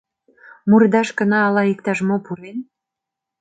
Мурдашкына ала иктаж-мо пурен...